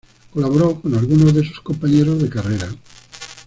Colaboró con algunos de sus compañeros de carrera.